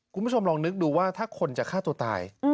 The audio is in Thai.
คุณผู้ชมลองนึกดูว่าถ้าคนจะฆ่าตัวตาย